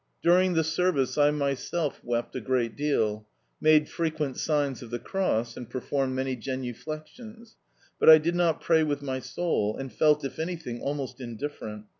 During the service I myself wept a great deal, made frequent signs of the cross, and performed many genuflections, but I did not pray with, my soul, and felt, if anything, almost indifferent.